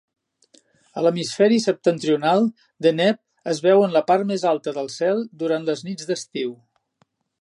A l'hemisferi septentrional, Deneb es veu en la part alta del cel durant les nits d'estiu.